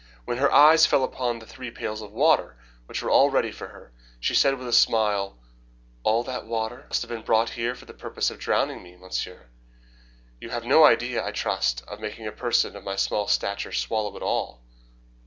When her eyes fell upon the three pails of water, which were all ready for her, she said with a smile, "All that water must have been brought here for the purpose of drowning me, Monsieur. You have no idea, I trust, of making a person of my small stature swallow it all."'